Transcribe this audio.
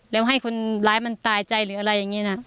แล้วให้คนร้ายมันตายใจหรืออะไรอย่างนี้นะ